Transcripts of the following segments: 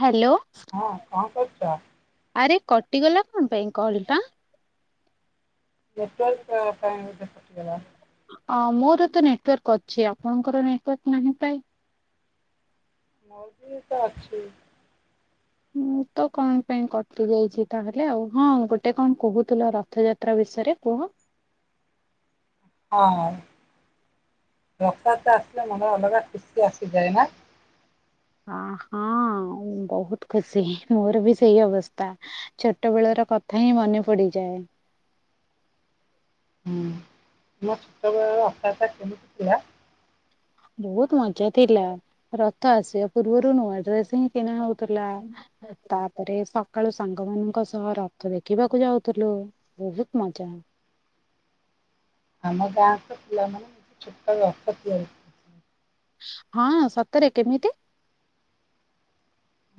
Hello. ହଁ କଣ କରୁଚ? ଆରେ କଟିଗଲା କଣ ପାଇଁ କଲ୍ ଟା? ନେଟୱାର୍କ ପା ପାଇଁ ବଧେ କଟିଗଲା। ଅ ମୋର ତ ନେଟୱାର୍କ ଅଛି ଆପଣଙ୍କର ନେଟୱାର୍କ ନାହିଁ ପ୍ରାୟେ ମର ବି ତ ଅଛି। ମୁଁ ତ କଣ ପାଇଁ କଟି ଯାଇଛି ତାହେଲେ ଆଉ ହଁ, ଗୋଟେ କଣ କହୁଥୁଲ ରଥଯା ତ୍ରା ବିଷୟରେ କୁହ। ହଁ ରଥ ଯାତ୍ରା ଆସିଲେ ମନରେ ଅଲଗା ଖୁସି ଆସିଯାଏ ନା। ଅଁ ହଁ ବହୁତ ଖୁସି ମୋର ବି ସେଇ ଅବସ୍ତା। ଛୋଟ ବେଳ ର କଥା ହିଁ ମନେ ପଡିଯାଏ। ହୁଁ ମୋ ଛୋଟବେଳର ରଥ ଯାତ୍ରା କେମିତି ଥିଲା। ବହୁତ ମଜା ଥିଲା ରଥ ଆସିବା ପୂର୍ବରୁ ନୂଆ ଡ୍ରେସ ହିଁ କିଣା ହଉଥୁଲା। ତାପରେ ସକାଳୁ ସାଙ୍ଗ ମାନଙ୍କ ସହ ରଥ ଦେଖିବାକୁ ଯାଉଥୁଲୁ। ବହୁତ୍ ମଜା। ଆମ ଗାଁଙ୍କ ପିଲାମାନେ ଛୋଟ ରଥ ତିଆରି ହଁ ସତରେ କେମିତି?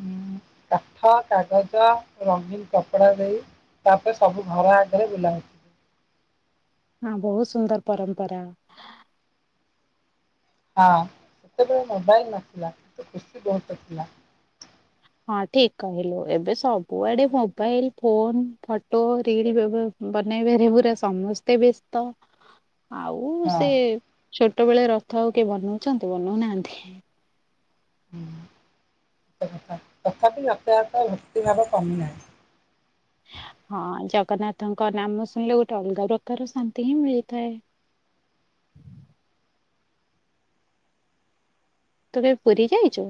ଉଁ କାଠ କାଗଜ ରଙ୍ଗୀନ କପଡା ଦେଇ ତାପରେ ସବୁ ଘର ଆଗେରେ ବିଲା ହଉ ହଁ ବହୁତ ସୁନ୍ଦର ପରମ୍ପରା। ହଁ ସେତେବେଳେ ମୋବାଇଲ ନଥିଲା କିନ୍ତୁ ଖୁସି ବହୁତ ଥିଲା। ହଁ ଠିକ୍ କହିଲୁ ଏବେ ସବୁଆଡେ ମୋବାଇଲ ଫୋନ୍ ଫଟୋ [unintelligible] ବନେଇବାରେ ପୁରା ସମସ୍ତେ ବ୍ୟସ୍ତ। ହ ଆଉ ସେ ଛୋଟବେଳେ ରଥ ଆଉ କିଏ ବନଉଛନ୍ତି ବନଉନାହାନ୍ତି। [inaudible] ତଥାପି [inaudible] ଭକ୍ତି ଭାବ କମି ନାହି ହଁ ଜଗନ୍ନାଥଙ୍କ ନାମ ଶୁଣିଲେ ଗୋଟେ ଅଲଗା ପ୍ରକାର ଶାନ୍ତି ହିଁ ମିଳିଥାଏ। ତୁ କେବ୍ ପୁରୀ ଯାଇଛୁ?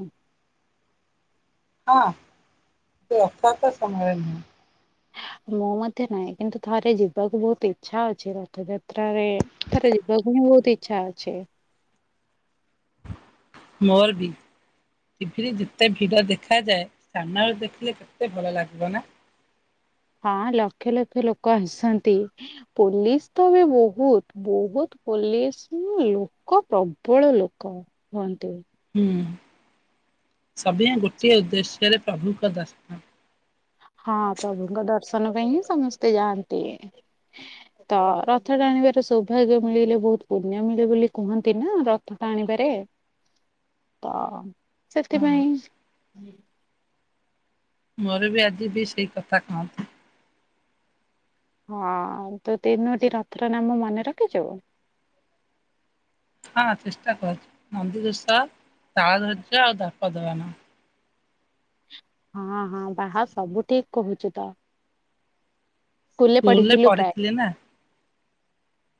ହଁ ସେ ରଥ ଯାତ୍ରା ସମୟରେ ନୁହଁ। ମୁଁ ମଧ୍ୟ ନାହିଁ କିନ୍ତୁ ଥରେ ଯିବାକୁ ବହୁତ ଇଚ୍ଛା ଅଛି ରଥଯାତ୍ରରେ ଥରେ ଯିବାକୁ ହିଁ ବହୁତ ଇଚ୍ଛା ଅଛେ। ମୋର ବି। ଟିଭିରେ ଯେତେ ଭିଡ ଦେଖାଯାଏ ସାମନାରେ ଦେଖିଲେ କେତେ ଭଲ ଲାଗିବ ନା। ହଁ ଲକ୍ଷ ଲକ୍ଷ ଲୋକ ଆସନ୍ତି ପୋଲିସ ତ ବି ବହୁତ୍। ବହୁତ୍ ପୋଲିସ ଲୋକ ପ୍ରବଳ ଲୋକ ହୁଅନ୍ତି। ହୁଁ ସଭିଏଁ ଗୋଟିଏ ଉଦ୍ଦେଶ୍ୟରେ ପ୍ରଭୁକ ଦର୍ଶନ ହଁ ପ୍ରଭୁଙ୍କ ଦର୍ଶନ ପାଇଁ ହିଁ ସମସ୍ତେ ଯାଆନ୍ତି। ହ ତ ରଥ ଟାଣିବାର ସୌଭାଗ୍ୟ ମିଳିଲେ ବହୁତ ପୁଣ୍ୟ ମିଳେ ବୋଲି କୁହନ୍ତି ନା ରଥ ଟାଣିବାରେ। ହଁ ତ ସେଥିପାଇଁ ମୋର ବି ଆଜି ବି ସେଇ କଥା କହନ୍ତି। ହଁ ତୁ ତିନୋଟି ରଥର ନାମ ମନେ ରଖିଛୁ। ହଁ ଚେଷ୍ଟା କର ନନ୍ଦୀଘୋଷ ତାଳ ଦ୍ଵଜ ଆଉ ଦର୍ପଦଳନ। ହଁ ହଁ ବାହା ସବୁ ଠିକ କହୁଛୁ ତ। ସ୍କୁଲରେ ପଢିଥିଲୁ ପ୍ରାୟ। ପଢିଥିଲି ନା।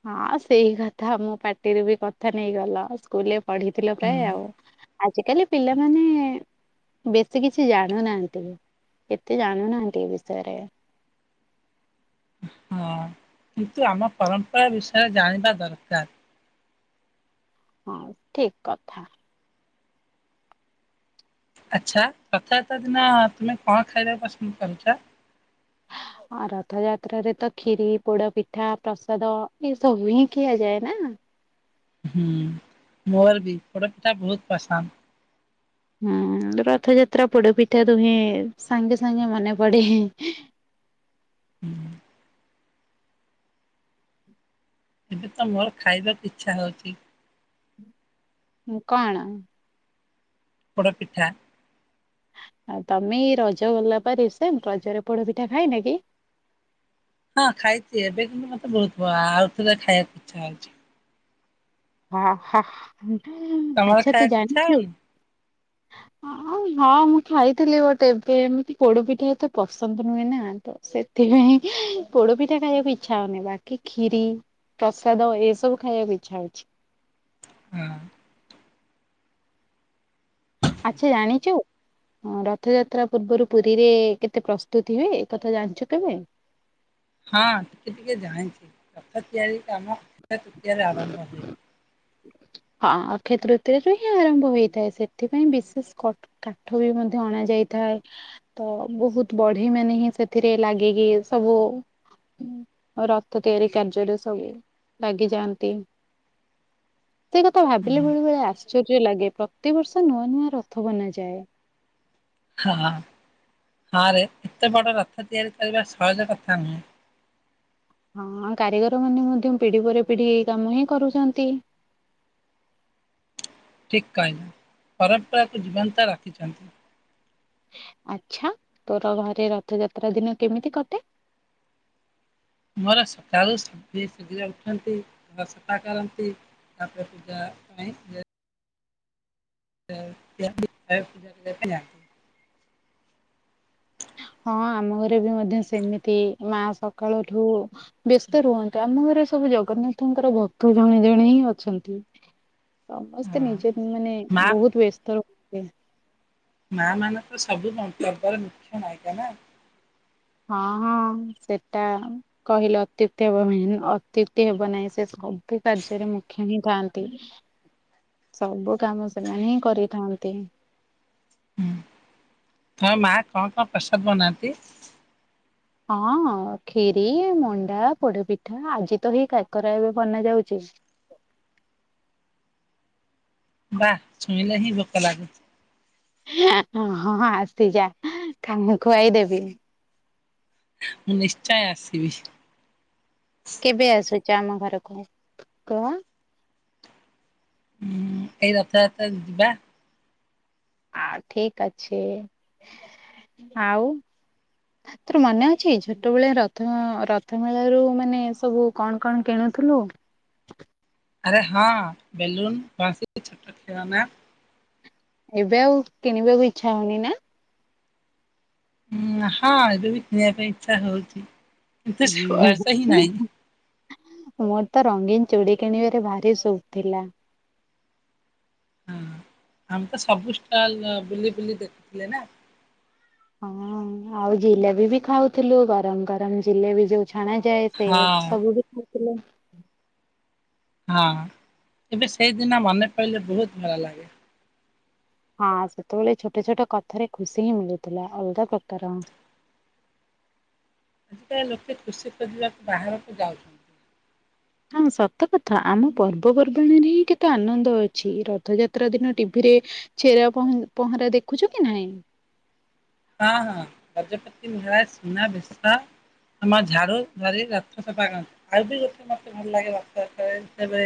ହଁ ସେଇ କଥା ମୁଁ ପାର୍ଟିରୁ ବି କଥା ନେଇଗଲ ସ୍କୁଲରେ ପଢିଥିଲ ହୁଁ ପ୍ରାୟ ଆଉ। ଆଜିକାଲି ପିଲାମାନେ ବେଶୀ କିଛି ଜାଣୁନାହାନ୍ତି। ଏତେ ଜାଣୁନାହାନ୍ତି ଏ ବିଷୟରେ। ହଁ କିନ୍ତୁ ଆମ ପରମ୍ପରା ବିଷୟରେ ଜାଣିବା ଦରକାର। ହଁ ଠିକ କଥା। ଆଚ୍ଛା ରଥ ଯାତ୍ରା ଦିନ ତୁମେ କଣ ଖାଇବାକୁ ପସନ୍ଦ କରୁଛ। ଆ ରଥଯାତ୍ର ରେ ତ ଖିରି ପୋଡ ପିଠା ପ୍ରସାଦ ଏସବୁ ହିଁ ଖିଆଯାଏ ନା। ହୁଁ ମୋର ବି ପୋଡ଼ ପିଠା ବହୁତ ପସନ୍ଦ। ହୁଁ ରଥଯାତ୍ରା ପୋଡ ପିଠା ରୁହେ ସାଙ୍ଗେ ସାଙ୍ଗେ ମନେ ପଡେ। ହୁଁ ଏବେ ତ ମୋର ଖାଇବାକୁ ଇଚ୍ଛା ହଉଛି। କଣ? ପୋଡ଼ ପିଠା। ଆଉ ତମେ ଏ ରଜ ଗଲା ପା ରିସେଣ୍ଟ ରଜରେ ପୋଡ ପିଠା ଖାଇ ନ କି। ହଁ ଖାଇଛି ଏବେ କିନ୍ତୁ ମତେ ବହୁତ ଭ ଆଉଥରେ ଖାଇବାକୁ ଇଚ୍ଛା ହଉଛି। ହ ହ ତମର ଆଚ୍ଛା ତୁ ଖାଇବାକୁ ଇଚ୍ଛା ଜାଣିୁଛୁ। ହଉନି? ହଁ ମୁଁ ଖାଇଥିଲି ବଟ ଏବେ ଏମତି ପୋଡ ପିଠା ଏତେ ପସନ୍ଦ ନୁହେଁ ନା ତ ସେ ସେଥିପାଇଁ ପୋଡପିଠା ଖାଇବାକୁ ଇଚ୍ଛା ହଉନି ବାକି ଖୀରି ପ୍ରସାଦ ଏସବୁ ଖାଇବାକୁ ଇଚ୍ଛା ହଉଛି। ହଁ। ଆଚ୍ଛା ଜାଣିଛୁ। ହଁ ରଥଯାତ୍ରା ପୂର୍ବରୁ ପୁରୀରେ କେତେ ପ୍ରସ୍ତୁତି ହୁଏ ଏକଥା ଜାଣିଛୁ କି ନାଇଁ। ହଁ ଟିକେ ଟିକେ ଜାଣିଛି ରଥ ତିଆରି କାମ ଅକ୍ଷୟ ତୃତୀୟରେ ଆରମ୍ଭ ହୁଏ। ହଁ ଅକ୍ଷୟ ତୃତୀୟରେ ହିଁ ଆରମ୍ଭ ହେଇଥାଏ ସେଥିପାଇଁ ବିଶେଷ କଠ କାଠ ବି ମଧ୍ୟ ଅଣା ଯାଇଥାଏ। ତ ବହୁତ ବଢେଇ ମାନେ ହିଁ ସେଥିରେ ଲାଗିକି ସବୁ ରଥ ତିଆରି କାର୍ଯ୍ୟରେ ସବୁ ଲାଗିଯାଆନ୍ତି। ସେ କଥା ଭାବିଲେ ବେଳୁ ବେଳେ ଆଶ୍ଚର୍ଯ୍ୟ ଲାଗେ ପ୍ରତିବର୍ଷ ନୂଆ ନୂଆ ରଥ ବନାଯାଏ। ହଁ ହଁରେ ଏତେ ବଡ ରଥ ତିଆରି କରିବା ସହଜ କଥା ନୁହେଁ। ହଁ କାରିଗର ମାନେ ମଧ୍ୟ ପିଢି ପରେ ପିଢି ଏଇ କାମ ହିଁ କରୁଛନ୍ତି। ଠିକ୍ କହିଲ ପରମ୍ପରାକୁୁ ଜୀବନ୍ତ ରଖିଛନ୍ତି। ଆଚ୍ଛା ତୋର ଘରେ ରଥଯାତ୍ରା ଦିନ କେମିତି କଟେ। ମୋର ସକାଳୁ ଉଠନ୍ତି ଘର ସଫା କରନ୍ତି। [unintelligible] ତ ପୂଜାଲେ ପାଇଁ [unintelligible] ହଁ ଆମ ଘରେ ବି ମଧ୍ୟ ସେମିତି ମା ସକାଳଠୁ ବ୍ୟସ୍ତ ରୁହନ୍ତ ଆମ ଘରେ ସବୁ ଜଗନ୍ନାଥଙ୍କର ଭକ୍ତ ଜଣେ ଜଣେ ହିଁ ଅଛନ୍ତି। ସମସ୍ତେ ନିଜେ ମାନେ ମା ବହୁତ ବ୍ୟସ୍ତ ର ମା ମାନେ ତ ସବୁ ମନ୍ତବ୍ୟର ମୁଖ୍ୟ ନାୟିକା ନା। ହଁ ହଁ ସେଟା କହିଲେ ଅତ୍ୟୁକ୍ତି ହେବ ନାହିଁ ଅତ୍ୟୁକ୍ତି ହେବ ନାହିଁ ସେ ସବୁ କାର୍ଯ୍ୟରେ ମୁଖ୍ୟ ହିଁ ଥାଆନ୍ତି। ସବୁ କାମ ସେମାନେ ହିଁ କରିଥାନ୍ତି। ହୁଁ ତମ ମା କଣ କଣ ପ୍ରସାଦ ବନାନ୍ତି? ହଁ ଖିରି, ମଣ୍ଡା, ପୋଡପିଠା, ଆଜି ତ ହେଇ କାକରା ଏବେ ବନା ଯାଉଛି। [unintelligible] ହିଁ ଭୋକ ଲାଗୁଛି। ହଁଁ ହଁ ଆସି ଯା କା [unintelligible] ଖୁଆଇ ଦେବି। ମୁଁ ନିଶ୍ଚୟ ଆସିବି। କେବେ ଆସୁଛ ଆମ ଘରକୁ କୁହ? ହୁଁ ଏଇ ରଥଯାତ୍ରା ରେ ଯିବା। ଆ ଠିକ ଅଛି ଆଉ। ତୋର ମନେ ଅଛି ଛୋଟବେଳେ ରଥ ରଥ ମେଳରୁ ମାନେ ସବୁ କଣ କଣ କିଣୁଥିଲୁ। ଆରେ ହଁ ବେଲୁନ [unintelligible] ଛୋଟ ଖେଳାନା। ଏବେ ଆଉ କିଣିବାକୁ ଇଚ୍ଛା ହଉନି ନା? ନା ହଁ ଏବେ ବି କିଣିବା ପାଇଁ ଇଚ୍ଛା ହଉଛି କିନ୍ତୁ ସେ ବୟସ ହି ନାହିଁ। ମୋର ତ ରଙ୍ଗୀନ ଚୁଡ଼ି କିଣିବାରେ ଭାରି ସୌକୁ ଥିଲା। ହଁ ଆମେ ତ ସବୁ ଷ୍ଟଲ ବୁଲି ବୁଲି ଦେଖୁଥିଲେ ନା। ହଁ ଆଉ ଜିଲେବି ବି ଖାଉଥିଲୁ ଗରମ ଗରମ ଜିଲେବି ଯୋଉ ଛଣା ଯାଏ। ସେ ହଁ ସବୁ ବି ଖାଉଥିଲେ। ହଁ ଏବେ ସେଇଦିନ ମନେ ପଡିଲେ ବହୁତ ଭଲ ଲାଗେ। ହଁ ସେତେବେଳେ ଛୋଟ ଛୋଟ କଥାରେ ଖୁସି ହିଁ ମିଳୁଥିଲା ଅଲଗା ପ୍ରକାର। ଆଜିକାଲି ଲୋକେ ଖୁସି କରିବାକୁ ବାହାରକୁ ଯାଉଛନ୍ତି। ହଁ ସତକଥା ଆମ ପର୍ବପର୍ବାଣିୀରେ ହିଁ କେତେ ଆନନ୍ଦ ଅଛି, ରଥଯାତ୍ରା ଦିନ ଟିଭିରେ ଛେରା ପହଁ ପହଁରା ଦେଖୁଛ କି ନାଇଁ? ହଁ ହଁ ଗଜପତି ମହା [unintelligible] ସୁନା ବେଶ ଆମ ଝାଡ଼ୁ ଧାରି ରଥ ସଫା କରନ୍ତି। ଆଉ ବି ଗୋଟେ ମତେ ଭଲ ଲାଗେ ରଥ ଯାତ୍ରା ରେ, ଏବେ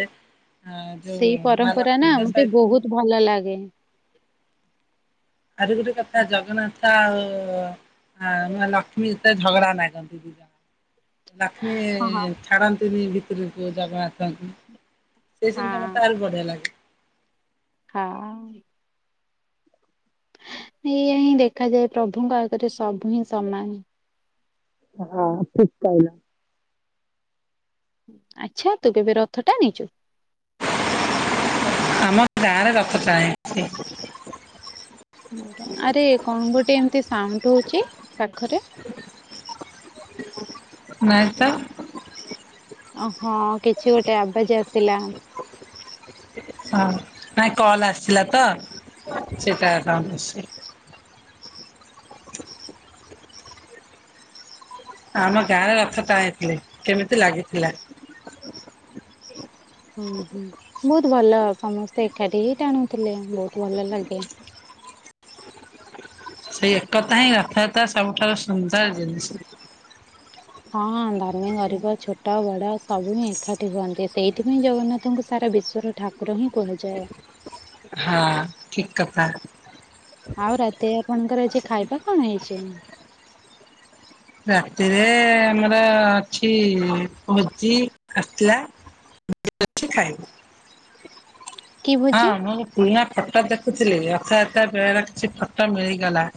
ସେଇ ପରମ୍ପରା ନା ମତେ ସହିତ ବହୁତ ଭଲ ଲାଗେ। ଆଉରି ଗୋଟେ କଥା ଜଗନ୍ନାଥ ଆଉ ମା ମା ଲକ୍ଷ୍ମୀ ଯେତେବେଳେ ଝଗଡା ନାଗନ୍ତି। [unintelligible] ଲକ୍ଷ୍ମୀ ହଁ ହଁ ଛାଡ଼ନ୍ତିନି ଭିତରକୁ ଜଗନ୍ନାଥଙ୍କୁ। ସେଇ ସିନ ଟା ହଁ ମତେ ଆହୁରି ବଢିଆ ଲାଗେ। ହଁ। ଏଇଆ ହିଁ ଦେଖାଯାଏ ପ୍ରଭୁଙ୍କ ଆଗରେ ସବୁ ହିଁ ସମାନ। ହଁ ପିକ କାଇଲା। ଆଚ୍ଛା ତୁ କେବେ ରଥ ଟାଣିଛୁ? ଆମ ଗାଁରେ ରଥ ଟାଣିଛି। ଆଜ୍ଞା, ଆରେ କଣ ଗୋଟେ ଏମତି ସାଉଣ୍ଡ ହଉଛି ପାଖରେ? ନାଇଁ ତ। ଓହୋ କିଛି ଗୋଟେ ଆବାଜ ଆସିଲା। ହଁ ନାଇଁ କଲ ଆସିଥିଲା ତ। ସେଟା ସାଉଣ୍ଡ ଆସିଛି। ଆମ ଗାଁରେ ରଥ ଟାଣି ଥିଲେ କେମିତି ଲାଗିଥିଲା? ହୁଁ ହୁଁ। ବହୁତ ଭଲ ସମସ୍ତେ ଏକାଠି ହି ଟାଣୁଥିଲେ ବହୁତ ଭଲ ଲାଗେ ସେଇ ଏକତା ହିଁ ରଥଯାତ୍ରା ସବୁଠାରୁ ସୁନ୍ଦର ଜିନିଷ। ହଁ ଧନୀ ଗରିବ ଛୋଟ ବଡ ସବୁ ହିଁ ଏକାଠି ହୁଅନ୍ତି ସେଇଥିପାଇଁ ଜଗନ୍ନାଥଙ୍କୁ ସାରା ବିଶ୍ଵର ଠାକୁର ହିଁ କୁହାଯାଏ ହଁ ଠିକ କଥା। ଆଉ ରାତି ରେ ଆପଣଙ୍କର ଆଜି ଖାଇବା କଣ ହେଇଛି? ରାତିରେ ଆମର ଅଛି ଭୋଜି ଆସିଥିଲା ଛି ଖାଇବ କି ହଁ ଭୋଜି ମୁଁ ପୁରୁଣା ଫଟୋ ଦେଖୁଥିଲି ରଥଯାତ୍ରା ବେଳର କିଛି ଫଟୋ ମିଳିଗଲା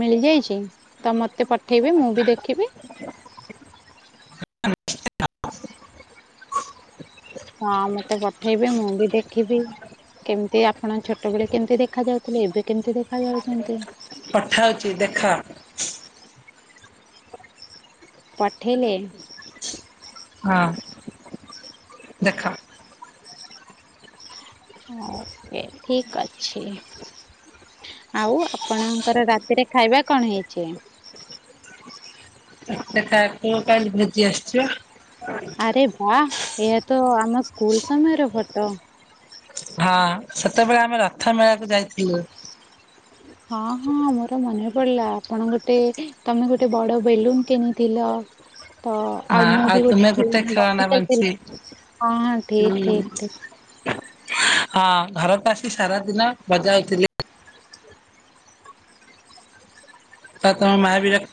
ମିଳିଯାଇଛି ତ ମତେ ପଠେଇବେ ମୁଁ ବି ଦେଖିବି? ହଁ ନିଶ୍ଚୟ। ହଁ ମତେ ପଠେଇବେ ମୁଁ ବି ଦେଖିବି କେମିତି ଆପଣ ଛୋଟବେେଳେ କେମିତି ଦେଖା ଯାଉଥିଲେ ଏବେ କେମିତି ଦେଖା ଯାଉଛନ୍ତି? ପଠାଉଚି ଦେଖ। ପଠେଇଲେ? ହଁ ଦେଖ। ହ ଓକେ ଠିକ ଅଛି। ଆଉ ଆପଣଙ୍କର ରାତିରେ ଖାଇବା କଣ ହେଇଛି? ଆ ଖା ତୁ କାଲି ଭୋଜି ଆସିଛି। ଆରେ ବା ଏହା ତ ଆମ ସ୍କୁଲ ସମୟର ଫଟୋ। ହଁ ସେତେବେଳେ ଆମେ ରଥ ମେଳାକୁ ଯାଇଥିଲୁ ହଁ ହଁ ମୋର ମନେ ପଡିଲା ଆପଣ ଗୋଟେ ତମେ ଗୋଟେ ବଡ ବେଲୁନ କିଣିଥିଲ ତ ଆଉ ହଁ ମୁଁ ବି ଗୋଟେ ତୁମେ ଖ ନା ହଁ ଖେଳନା ବଞ୍ଚି ହଁ ଠିକ ହୁଁ। ଠିକ ଠିକ। ହଁ ଘରକୁ ଆସି ସାରା ଦିନ ବଜାଉଥିଲି। ତମ ମ ବି ରଖ